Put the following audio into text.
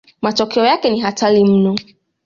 Matokeo yake ni hatari mno.